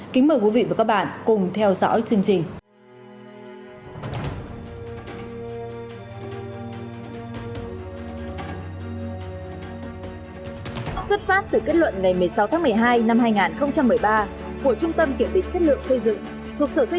kính mời quý vị và các bạn cùng theo dõi chương trình